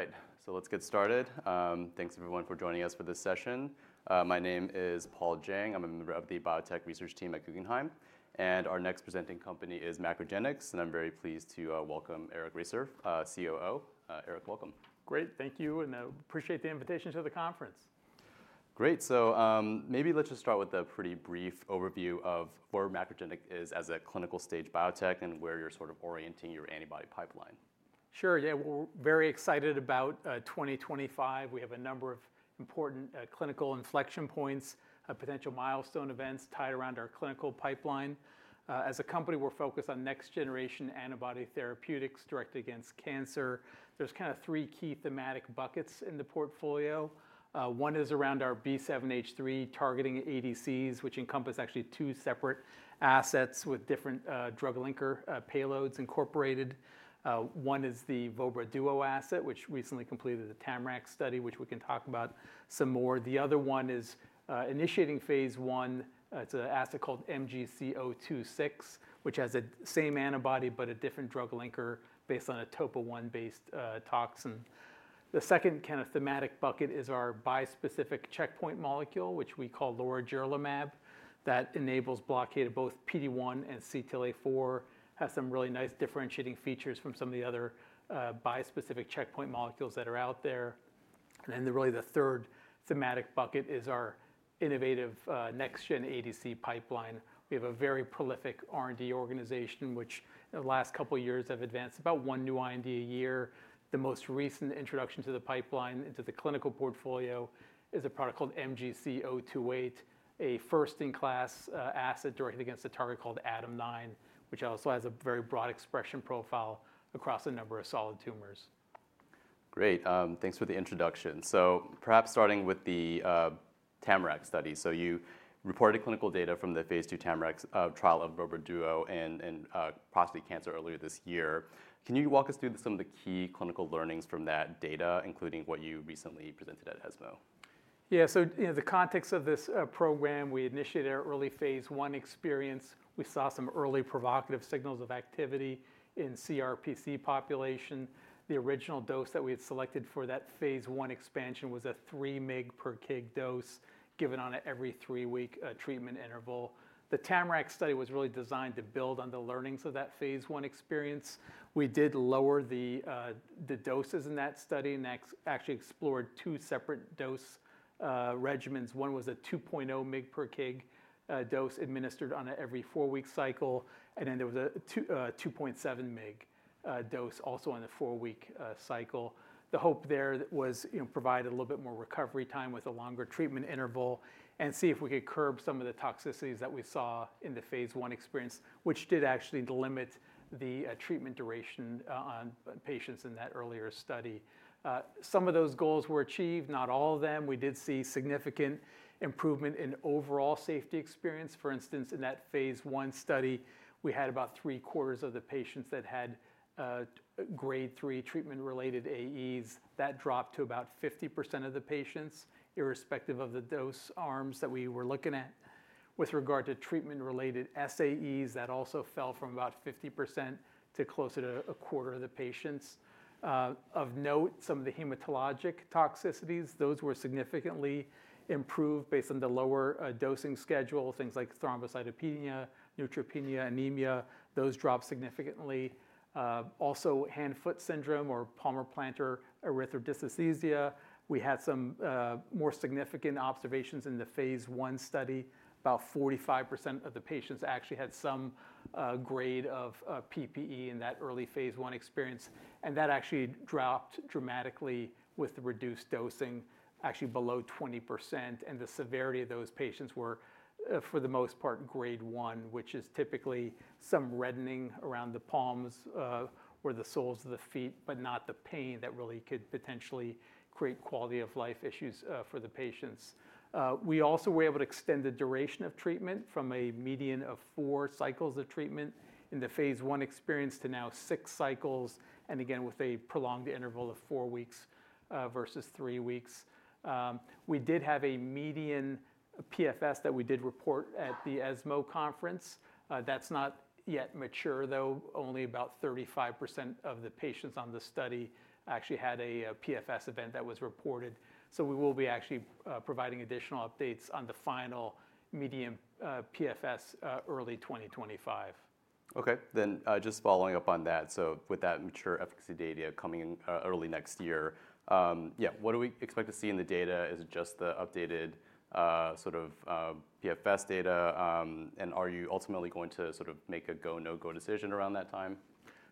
All right, so let's get started. Thanks, everyone, for joining us for this session. My name is Paul Jeng. I'm a member of the biotech research team at Guggenheim. And our next presenting company is MacroGenics. And I'm very pleased to welcome Eric Risser, COO. Eric, welcome. Great, thank you, and I appreciate the invitation to the conference. Great. So maybe let's just start with a pretty brief overview of where MacroGenics is as a clinical stage biotech and where you're sort of orienting your antibody pipeline. Sure, yeah. We're very excited about 2025. We have a number of important clinical inflection points, potential milestone events tied around our clinical pipeline. As a company, we're focused on next-generation antibody therapeutics directed against cancer. There's kind of three key thematic buckets in the portfolio. One is around our B7-H3 targeting ADCs, which encompass actually two separate assets with different drug linker payloads incorporated. One is the Vobra Duo asset, which recently completed the TAMARACK study, which we can talk about some more. The other one is initiating phase I. It's an asset called MGC026, which has the same antibody but a different drug linker based on a topo I-based toxin. The second kind of thematic bucket is our bispecific checkpoint molecule, which we call lorigerlimab, that enables blockade of both PD-1 and CTLA-4, has some really nice differentiating features from some of the other bispecific checkpoint molecules that are out there. And then really the third thematic bucket is our innovative next-gen ADC pipeline. We have a very prolific R&D organization, which in the last couple of years have advanced about one new IND a year. The most recent introduction to the pipeline into the clinical portfolio is a product called MGC028, a first-in-class asset directed against a target called ADAM9, which also has a very broad expression profile across a number of solid tumors. Great. Thanks for the introduction. So perhaps starting with the TAMARACK study. So you reported clinical data from the phase II TAMARACK trial of Vobra Duo in prostate cancer earlier this year. Can you walk us through some of the key clinical learnings from that data, including what you recently presented at ESMO? Yeah, so in the context of this program, we initiated our early phase I experience. We saw some early provocative signals of activity in CRPC population. The original dose that we had selected for that phase I expansion was a 3-mg per-kg dose given on an every three-week treatment interval. The TAMARACK study was really designed to build on the learnings of that phase I experience. We did lower the doses in that study. And that actually explored two separate dose regimens. One was a 2.0 mg/kg dose administered on an every four-week cycle. And then there was a 2.7 mg dose also on a four-week cycle. The hope there was to provide a little bit more recovery time with a longer treatment interval and see if we could curb some of the toxicities that we saw in the phase I experience, which did actually limit the treatment duration on patients in that earlier study. Some of those goals were achieved, not all of them. We did see significant improvement in overall safety experience. For instance, in that phase I study, we had about three-quarters of the patients that had grade 3 treatment-related AEs. That dropped to about 50% of the patients, irrespective of the dose arms that we were looking at. With regard to treatment-related SAEs, that also fell from about 50% to closer to a quarter of the patients. Of note, some of the hematologic toxicities, those were significantly improved based on the lower dosing schedule, things like thrombocytopenia, neutropenia, anemia. Those dropped significantly. Also, hand-foot syndrome or palmar-plantar erythrodysesthesia. We had some more significant observations in the phase I study. About 45% of the patients actually had some grade of PPE in that early phase I experience. And that actually dropped dramatically with the reduced dosing, actually below 20%. And the severity of those patients were, for the most part, grade one, which is typically some reddening around the palms or the soles of the feet, but not the pain that really could potentially create quality of life issues for the patients. We also were able to extend the duration of treatment from a median of four cycles of treatment in the phase I experience to now six cycles, and again, with a prolonged interval of four weeks versus three weeks. We did have a median PFS that we did report at the ESMO conference. That's not yet mature, though. Only about 35% of the patients on the study actually had a PFS event that was reported, so we will be actually providing additional updates on the final median PFS early 2025. OK, then just following up on that, so with that mature efficacy data coming in early next year, yeah, what do we expect to see in the data? Is it just the updated sort of PFS data? And are you ultimately going to sort of make a go, no-go decision around that time?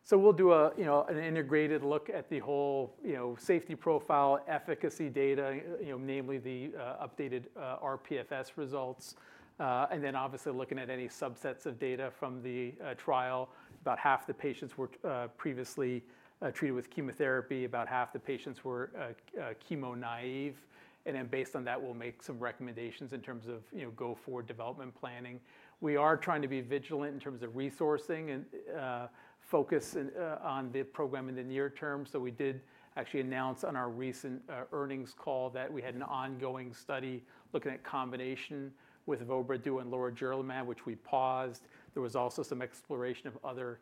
So we'll do an integrated look at the whole safety profile, efficacy data, namely the updated rPFS results. And then obviously looking at any subsets of data from the trial. About half the patients were previously treated with chemotherapy. About half the patients were chemo-naive. And then based on that, we'll make some recommendations in terms of go-forward development planning. We are trying to be vigilant in terms of resourcing and focus on the program in the near term. So we did actually announce on our recent earnings call that we had an ongoing study looking at combination with Vobra Duo and lorigerlimab, which we paused. There was also some exploration of other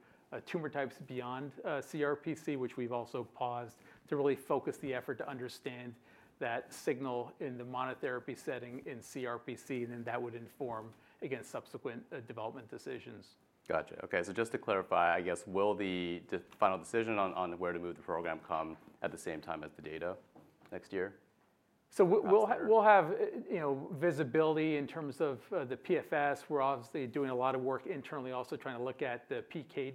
tumor types beyond CRPC, which we've also paused to really focus the effort to understand that signal in the monotherapy setting in CRPC. And then that would inform, again, subsequent development decisions. Gotcha. OK, so just to clarify, I guess will the final decision on where to move the program come at the same time as the data next year? We'll have visibility in terms of the PFS. We're obviously doing a lot of work internally, also trying to look at the PK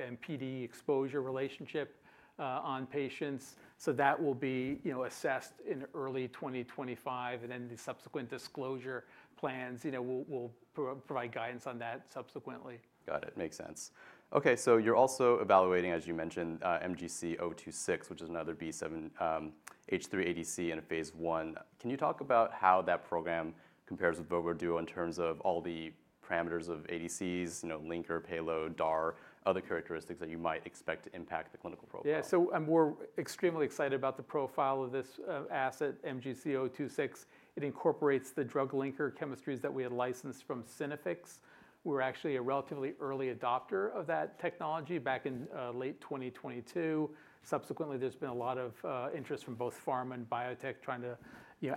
and PD exposure relationship on patients. That will be assessed in early 2025. Then the subsequent disclosure plans will provide guidance on that subsequently. Got it. Makes sense. OK, so you're also evaluating, as you mentioned, MGC026, which is another B7-H3 ADC in a phase I. Can you talk about how that program compares with Vobra Duo in terms of all the parameters of ADCs, linker, payload, DAR, other characteristics that you might expect to impact the clinical profile? Yeah, so we're extremely excited about the profile of this asset, MGC026. It incorporates the drug linker chemistries that we had licensed from Synaffix. We were actually a relatively early adopter of that technology back in late 2022. Subsequently, there's been a lot of interest from both pharma and biotech trying to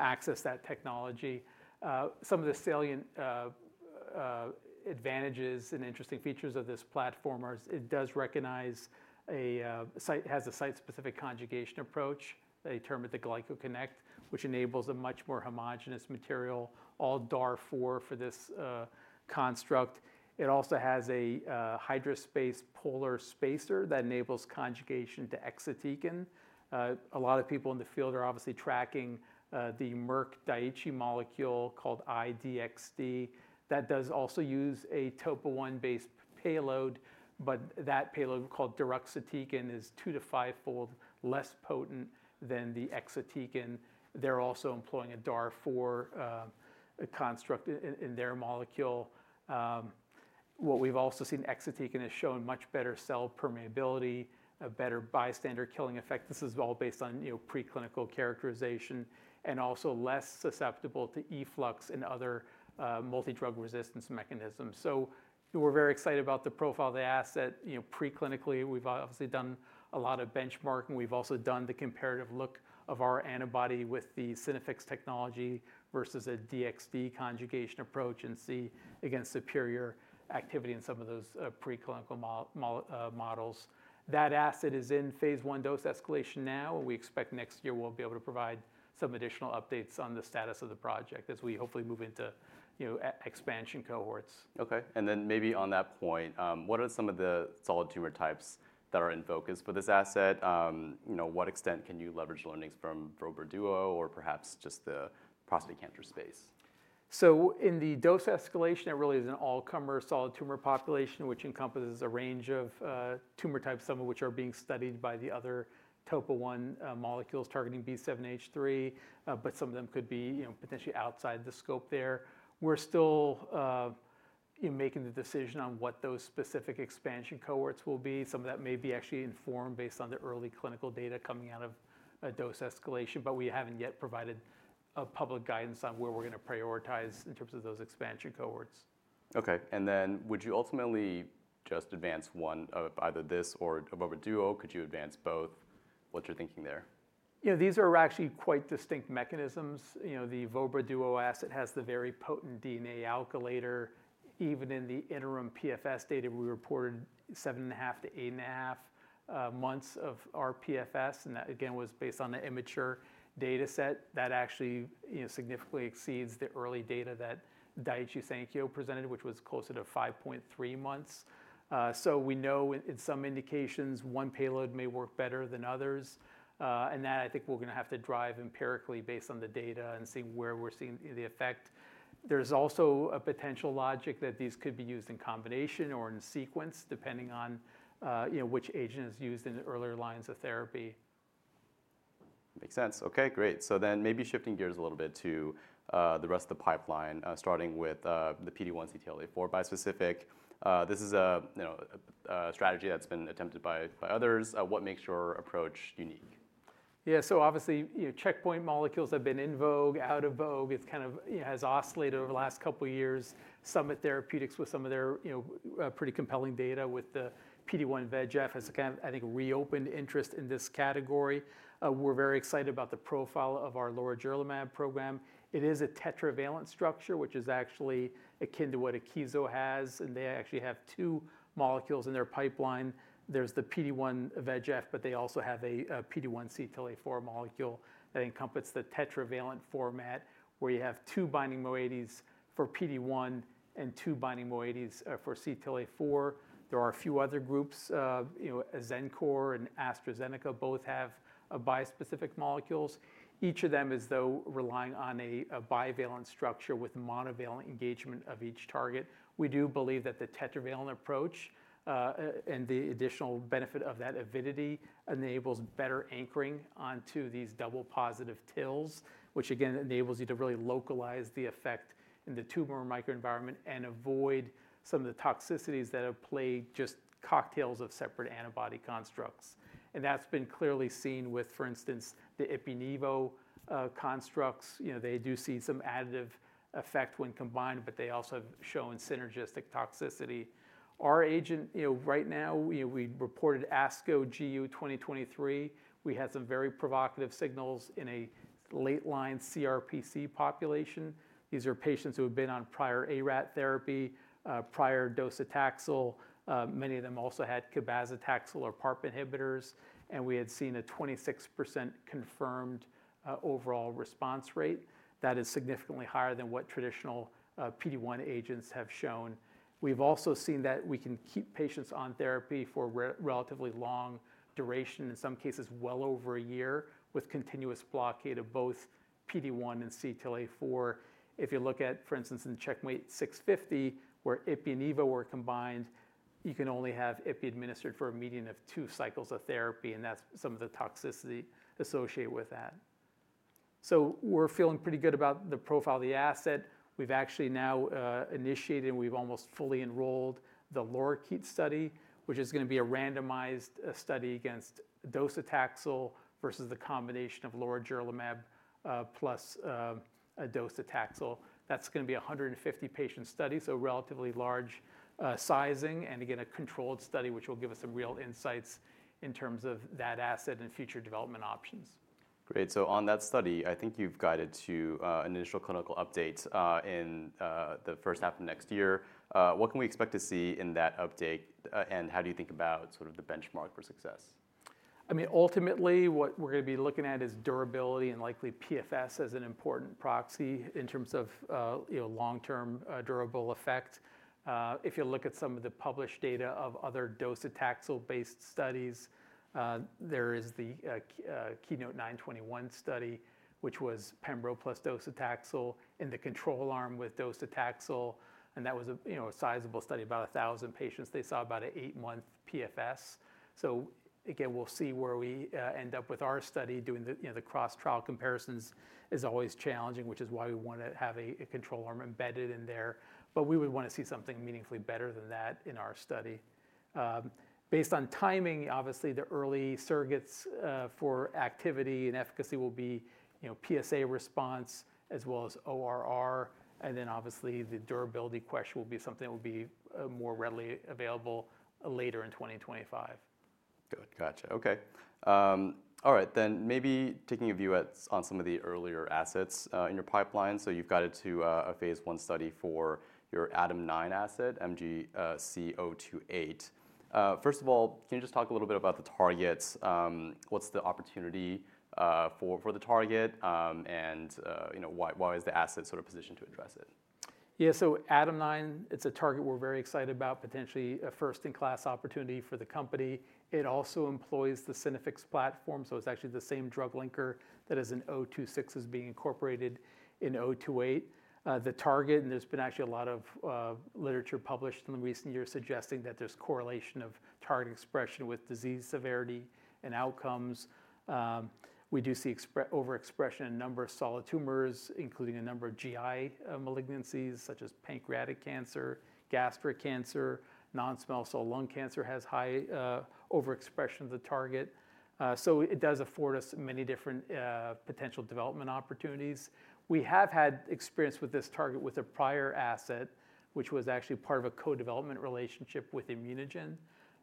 access that technology. Some of the salient advantages and interesting features of this platform are it does recognize a site has a site-specific conjugation approach, a term at the GlycoConnect, which enables a much more homogeneous material, all DAR4 for this construct. It also has a HydraSpace polar spacer that enables conjugation to exatecan. A lot of people in the field are obviously tracking the Merck Daiichi molecule called I-DXd. That does also use a topoisomerase I-based payload. But that payload called deruxtecan is two- to five-fold less potent than the exatecan. They're also employing a DAR4 construct in their molecule. What we've also seen, exatecan has shown much better cell permeability, a better bystander killing effect. This is all based on preclinical characterization and also less susceptible to efflux and other multi-drug resistance mechanisms. So we're very excited about the profile of the asset. Preclinically, we've obviously done a lot of benchmarking. We've also done the comparative look of our antibody with the Synaffix technology versus a DXd conjugation approach and we see superior activity in some of those preclinical models. That asset is in phase I dose escalation now. We expect next year we'll be able to provide some additional updates on the status of the project as we hopefully move into expansion cohorts. OK, and then maybe on that point, what are some of the solid tumor types that are in focus for this asset? To what extent can you leverage learnings from Vobra Duo or perhaps just the prostate cancer space? In the dose escalation, it really is an all-comer solid tumor population, which encompasses a range of tumor types, some of which are being studied by the other TOP1 molecules targeting B7-H3. But some of them could be potentially outside the scope there. We're still making the decision on what those specific expansion cohorts will be. Some of that may be actually informed based on the early clinical data coming out of dose escalation. But we haven't yet provided public guidance on where we're going to prioritize in terms of those expansion cohorts. OK, and then would you ultimately just advance one of either this or Vobra Duo? Could you advance both? What's your thinking there? These are actually quite distinct mechanisms. The Vobra Duo asset has the very potent DNA alkylator. Even in the interim PFS data, we reported 7.5-8.5 months of rPFS, and that, again, was based on the immature data set. That actually significantly exceeds the early data that Daiichi Sankyo presented, which was closer to 5.3 months, so we know in some indications, one payload may work better than others, and that, I think, we're going to have to drive empirically based on the data and see where we're seeing the effect. There's also a potential logic that these could be used in combination or in sequence, depending on which agent is used in the earlier lines of therapy. Makes sense. OK, great. So then maybe shifting gears a little bit to the rest of the pipeline, starting with the PD-1, CTLA-4 bispecific. This is a strategy that's been attempted by others. What makes your approach unique? Yeah, so obviously, checkpoint molecules have been in vogue, out of vogue. It kind of has oscillated over the last couple of years. Summit Therapeutics with some of their pretty compelling data with the PD-1, VEGF has kind of, I think, reopened interest in this category. We're very excited about the profile of our lorigerlimab program. It is a tetravalent structure, which is actually akin to what Akeso has. And they actually have two molecules in their pipeline. There's the PD-1, VEGF, but they also have a PD-1, CTLA-4 molecule that encompass the tetravalent format, where you have two binding moieties for PD-1 and two binding moieties for CTLA-4. There are a few other groups, Xencor and AstraZeneca, both have bispecific molecules. Each of them is, though, relying on a bivalent structure with monovalent engagement of each target. We do believe that the tetravalent approach and the additional benefit of that avidity enables better anchoring onto these double positive TILs, which, again, enables you to really localize the effect in the tumor microenvironment and avoid some of the toxicities that have plagued just cocktails of separate antibody constructs, and that's been clearly seen with, for instance, the Ipi-Nivo constructs. They do see some additive effect when combined, but they also have shown synergistic toxicity. Our agent, right now, we reported ASCO GU 2023. We had some very provocative signals in a late line CRPC population. These are patients who have been on prior ARAT therapy, prior docetaxel. Many of them also had cabazitaxel or PARP inhibitors, and we had seen a 26% confirmed overall response rate. That is significantly higher than what traditional PD-1 agents have shown. We've also seen that we can keep patients on therapy for a relatively long duration, in some cases well over a year, with continuous blockade of both PD-1 and CTLA-4. If you look at, for instance, in CheckMate 650, where Ipi-Nivo were combined, you can only have Ipi administered for a median of two cycles of therapy. And that's some of the toxicity associated with that. So we're feeling pretty good about the profile of the asset. We've actually now initiated, and we've almost fully enrolled the LORIKEET study, which is going to be a randomized study against docetaxel versus the combination of lorigerlimab plus docetaxel. That's going to be a 150-patient study, so relatively large sizing, and again, a controlled study, which will give us some real insights in terms of that asset and future development options. Great. So on that study, I think you've guided to an initial clinical update in the first half of next year. What can we expect to see in that update? And how do you think about sort of the benchmark for success? I mean, ultimately, what we're going to be looking at is durability and likely PFS as an important proxy in terms of long-term durable effect. If you look at some of the published data of other docetaxel-based studies, there is the KEYNOTE-921 study, which was Pembro plus docetaxel in the control arm with docetaxel. And that was a sizable study, about 1,000 patients. They saw about an eight-month PFS. So again, we'll see where we end up with our study. Doing the cross-trial comparisons is always challenging, which is why we want to have a control arm embedded in there. But we would want to see something meaningfully better than that in our study. Based on timing, obviously, the early surrogates for activity and efficacy will be PSA response as well as ORR. Obviously, the durability question will be something that will be more readily available later in 2025. Good. Gotcha. OK, all right, then maybe taking a view on some of the earlier assets in your pipeline. So you've guided to a phase I study for your ADAM9 asset, MGC028. First of all, can you just talk a little bit about the targets? What's the opportunity for the target? And why is the asset sort of positioned to address it? Yeah, so ADAM9, it's a target we're very excited about, potentially a first-in-class opportunity for the company. It also employs the Synaffix platform. So it's actually the same drug linker that is in 026 is being incorporated in 028. The target, and there's been actually a lot of literature published in the recent years suggesting that there's correlation of target expression with disease severity and outcomes. We do see overexpression in a number of solid tumors, including a number of GI malignancies, such as pancreatic cancer, gastric cancer. Non-small cell lung cancer has high overexpression of the target. So it does afford us many different potential development opportunities. We have had experience with this target with a prior asset, which was actually part of a co-development relationship with ImmunoGen.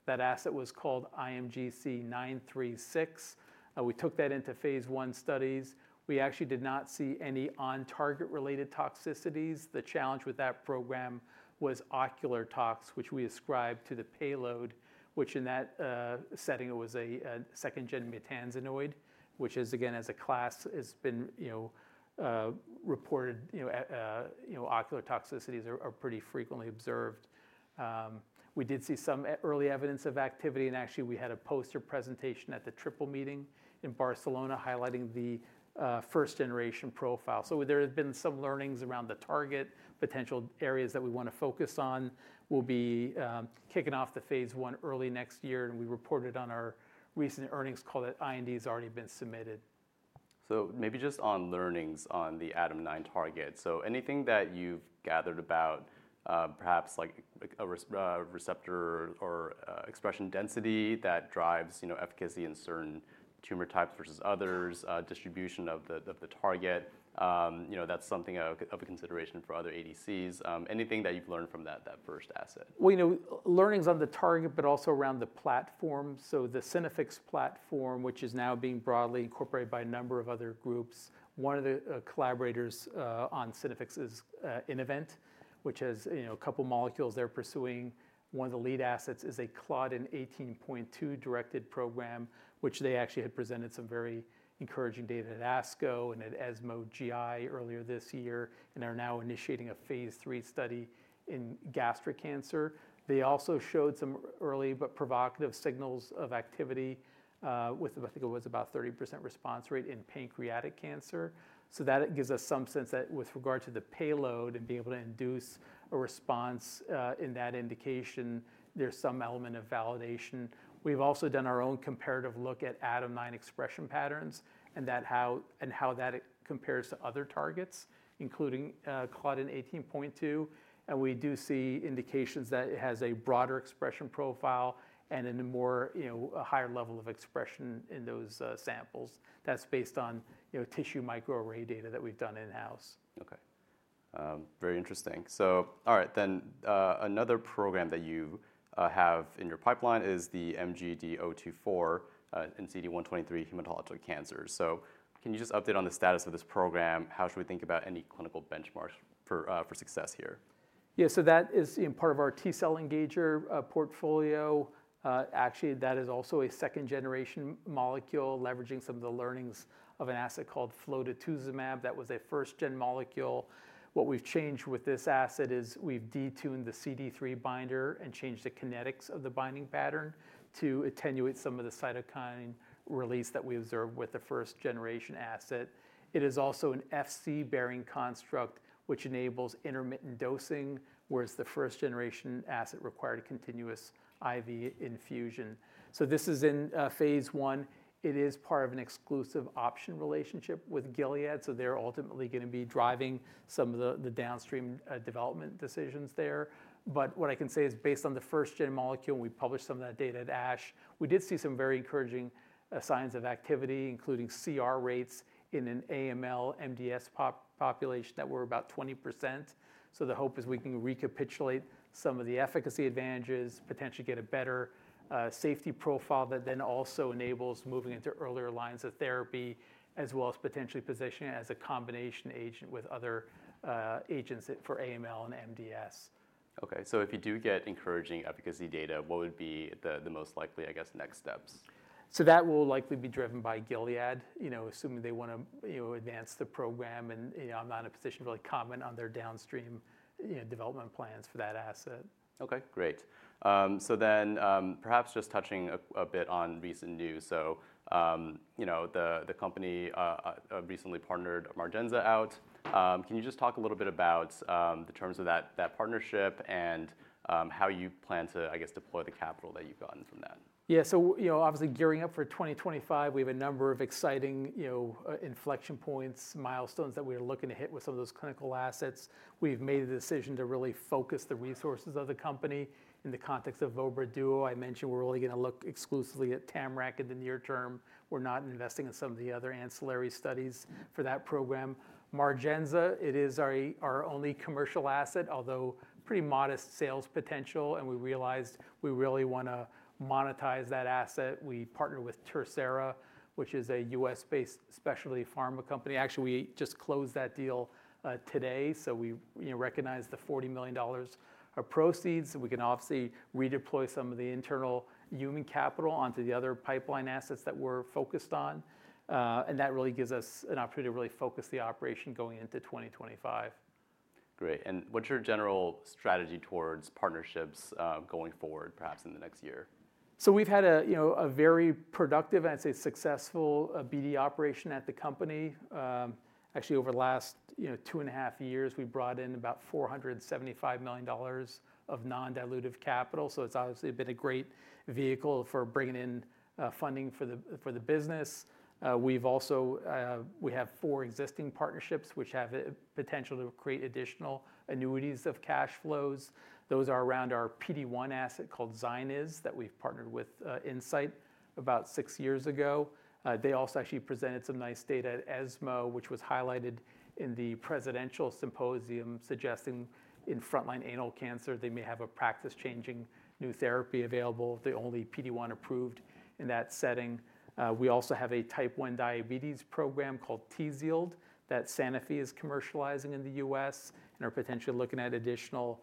That asset was called IMGC936. We took that into phase I studies. We actually did not see any on-target related toxicities. The challenge with that program was ocular tox, which we ascribed to the payload, which in that setting was a second-gen maytansinoid, which is, again, as a class, has been reported. Ocular toxicities are pretty frequently observed. We did see some early evidence of activity, and actually, we had a poster presentation at the Triple Meeting in Barcelona highlighting the first-generation profile, so there have been some learnings around the target. Potential areas that we want to focus on will be kicking off the phase I early next year, and we reported on our recent earnings call that IND has already been submitted. Maybe just on learnings on the ADAM9 target, anything that you've gathered about, perhaps like a receptor or expression density that drives efficacy in certain tumor types versus others, distribution of the target, that's something of a consideration for other ADCs. Anything that you've learned from that first asset? Learnings on the target, but also around the platform. The Synaffix platform, which is now being broadly incorporated by a number of other groups. One of the collaborators on Synaffix is Innovent, which has a couple of molecules they're pursuing. One of the lead assets is a Claudin 18.2 directed program, which they actually had presented some very encouraging data at ASCO and at ESMO GI earlier this year and are now initiating a phase III study in gastric cancer. They also showed some early but provocative signals of activity with, I think it was about 30% response rate in pancreatic cancer. That gives us some sense that with regard to the payload and being able to induce a response in that indication, there's some element of validation. We've also done our own comparative look at ADAM9 expression patterns and how that compares to other targets, including Claudin 18.2, and we do see indications that it has a broader expression profile and a higher level of expression in those samples. That's based on tissue microarray data that we've done in-house. OK, very interesting. So all right, then another program that you have in your pipeline is the MGD024 and CD123 hematologic cancer. So can you just update on the status of this program? How should we think about any clinical benchmarks for success here? Yeah, so that is part of our T cell engager portfolio. Actually, that is also a second-generation molecule leveraging some of the learnings of an asset called flotetuzumab. That was a first-gen molecule. What we've changed with this asset is we've detuned the CD3 binder and changed the kinetics of the binding pattern to attenuate some of the cytokine release that we observed with the first-generation asset. It is also an Fc-bearing construct, which enables intermittent dosing, whereas the first-generation asset required continuous IV infusion. So this is in phase I. It is part of an exclusive option relationship with Gilead. So they're ultimately going to be driving some of the downstream development decisions there. But what I can say is based on the first-gen molecule, we published some of that data at ASH, we did see some very encouraging signs of activity, including CR rates in an AML-MDS population that were about 20%. So the hope is we can recapitulate some of the efficacy advantages, potentially get a better safety profile that then also enables moving into earlier lines of therapy, as well as potentially positioning it as a combination agent with other agents for AML and MDS. OK, so if you do get encouraging efficacy data, what would be the most likely, I guess, next steps? That will likely be driven by Gilead, assuming they want to advance the program. I'm not in a position to really comment on their downstream development plans for that asset. OK, great. So then perhaps just touching a bit on recent news. So the company recently partnered Margenza out. Can you just talk a little bit about the terms of that partnership and how you plan to, I guess, deploy the capital that you've gotten from that? Yeah, so obviously gearing up for 2025, we have a number of exciting inflection points, milestones that we are looking to hit with some of those clinical assets. We've made the decision to really focus the resources of the company in the context of Vobra Duo. I mentioned we're only going to look exclusively at Tamarack in the near term. We're not investing in some of the other ancillary studies for that program. Margenza, it is our only commercial asset, although pretty modest sales potential, and we realized we really want to monetize that asset. We partner with TerSera, which is a US-based specialty pharma company. Actually, we just closed that deal today. So we recognize the $40 million of proceeds. We can obviously redeploy some of the internal human capital onto the other pipeline assets that we're focused on. That really gives us an opportunity to really focus the operation going into 2025. Great. And what's your general strategy towards partnerships going forward, perhaps in the next year? We've had a very productive, I'd say successful BD operation at the company. Actually, over the last two and a half years, we brought in about $475 million of non-dilutive capital. So it's obviously been a great vehicle for bringing in funding for the business. We have four existing partnerships, which have the potential to create additional annuities of cash flows. Those are around our PD-1 asset called Zynyz that we've partnered with Incyte about six years ago. They also actually presented some nice data at ESMO, which was highlighted in the Presidential Symposium suggesting in frontline anal cancer, they may have a practice-changing new therapy available, the only PD-1 approved in that setting. We also have a type 1 diabetes program called Tzield that Sanofi is commercializing in the U.S. and are potentially looking at additional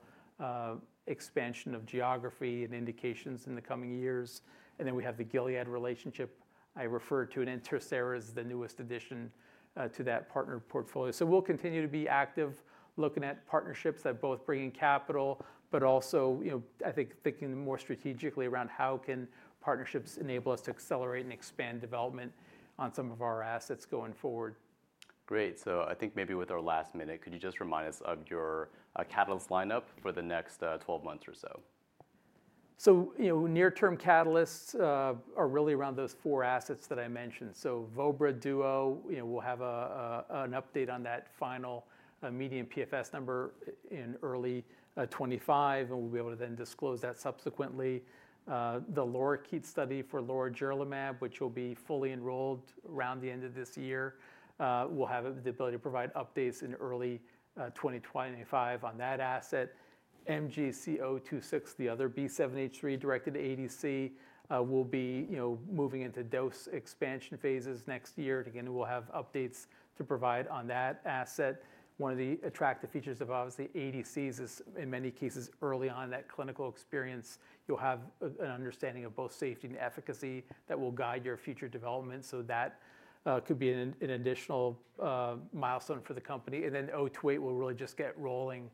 expansion of geography and indications in the coming years. And then we have the Gilead relationship. I referred to it, and TerSera is the newest addition to that partner portfolio. So we'll continue to be active looking at partnerships that both bring in capital, but also, I think, thinking more strategically around how can partnerships enable us to accelerate and expand development on some of our assets going forward. Great, so I think maybe with our last minute, could you just remind us of your catalyst lineup for the next 12 months or so? Near-term catalysts are really around those four assets that I mentioned. Vobra Duo, we'll have an update on that final median PFS number in early 2025, and we'll be able to then disclose that subsequently. The LORIKEET study for lorigerlimab, which will be fully enrolled around the end of this year, we'll have the ability to provide updates in early 2025 on that asset. MGC026, the other B7-H3 directed ADC, will be moving into dose expansion phases next year. And again, we'll have updates to provide on that asset. One of the attractive features of obviously ADCs is in many cases early on in that clinical experience, you'll have an understanding of both safety and efficacy that will guide your future development. So that could be an additional milestone for the company. And then 028 will really just get rolling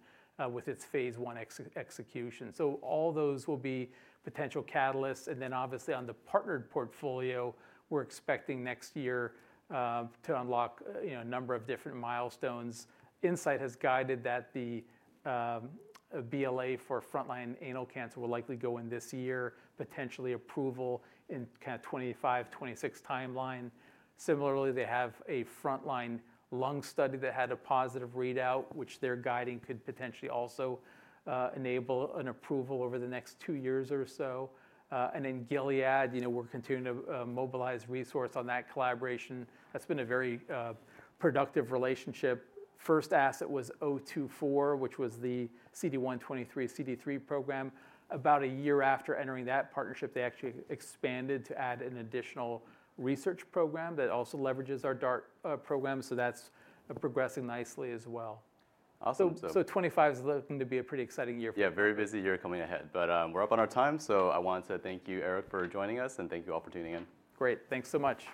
with its phase I execution. So all those will be potential catalysts. And then obviously on the partnered portfolio, we're expecting next year to unlock a number of different milestones. Incyte has guided that the BLA for frontline anal cancer will likely go in this year, potentially approval in kind of 2025-2026 timeline. Similarly, they have a frontline lung study that had a positive readout, which they're guiding could potentially also enable an approval over the next two years or so. And then Gilead, we're continuing to mobilize resource on that collaboration. That's been a very productive relationship. First asset was 024, which was the CD123, CD3 program. About a year after entering that partnership, they actually expanded to add an additional research program that also leverages our DART program. So that's progressing nicely as well. Awesome. So 2025 is looking to be a pretty exciting year for us. Yeah, very busy year coming ahead. But we're up on our time. So I want to thank you, Eric, for joining us. And thank you all for tuning in. Great. Thanks so much.